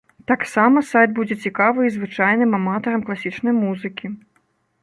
Таксама сайт будзе цікавы і звычайным аматарам класічнай музыкі.